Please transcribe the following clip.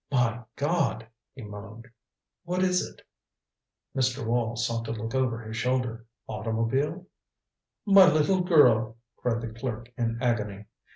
"My God " he moaned. "What is it?" Mr. Wall sought to look over his shoulder. "Automobile " "My little girl," cried the clerk in agony.